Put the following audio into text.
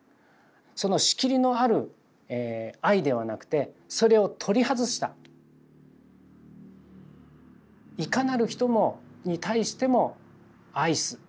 「その仕切りのある愛ではなくてそれを取り外したいかなる人に対しても愛す。